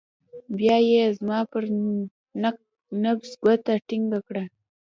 بيا يې زما پر نبض گوته ټينګه کړه.